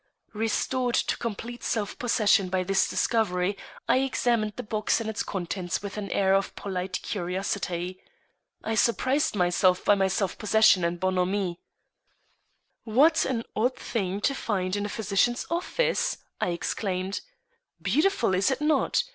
Restored to complete self possession by this discovery, I examined the box and its contents with an air of polite curiosity. I surprised myself by my self possession and bonhomie. "What an odd thing to find in a physician's office!" I exclaimed. "Beautiful, is it not?